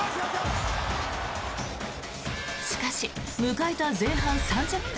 しかし、迎えた前半３０分。